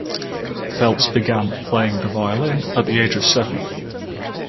Feltz began playing the violin at the age of seven.